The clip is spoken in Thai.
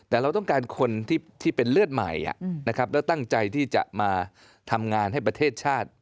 แต่เราต้องการคนที่เป็นเลือดใหม่นะครับแล้วตั้งใจที่จะมาทำงานให้ประเทศชาติ